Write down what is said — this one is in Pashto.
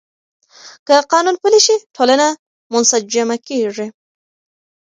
که قانون پلی شي، ټولنه منسجمه کېږي.